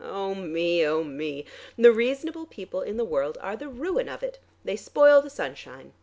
Oh me, oh me! The reasonable people in the world are the ruin of it; they spoil the sunshine.